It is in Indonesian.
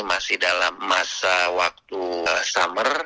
masih dalam masa waktu summer